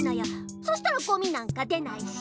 そしたらゴミなんか出ないし。